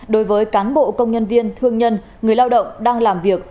đối với cán bộ công nhân viên thương nhân người lao động đang làm việc